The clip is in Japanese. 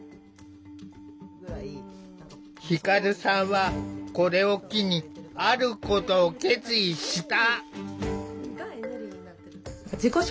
輝さんはこれを機にあることを決意した。